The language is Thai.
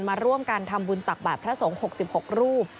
มาร่วมกันทำบุญตักบาทพระสงฆ์๖๖รูป